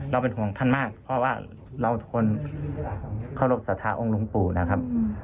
เป็นห่วงท่านมากเพราะว่าเราทุกคนเคารพสัทธาองค์หลวงปู่นะครับ